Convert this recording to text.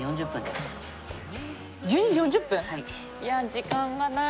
時間がない。